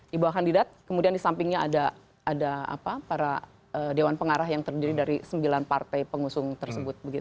di bawah kandidat kemudian di sampingnya ada para dewan pengarah yang terdiri dari sembilan partai pengusung tersebut